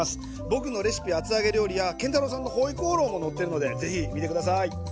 僕のレシピ厚揚げ料理や建太郎さんのホイコーローも載ってるのでぜひ見て下さい。